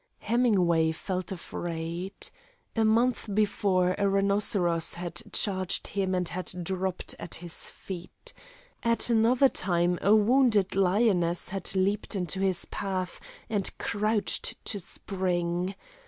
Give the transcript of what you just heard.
Hemingway felt afraid. A month before a rhinoceros had charged him and had dropped at his feet. At another time a wounded lioness had leaped into his path and crouched to spring.